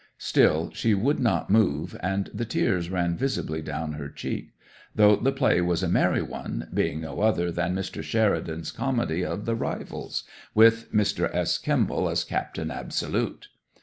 Still she would not move, and the tears ran visibly down her cheek, though the play was a merry one, being no other than Mr. Sheridan's comedy of "The Rivals," with Mr. S. Kemble as Captain Absolute.